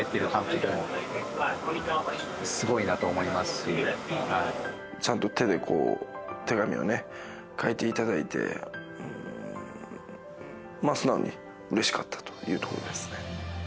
でも本当にちゃんと手で手紙をね書いていただいて素直にうれしかったというところですね。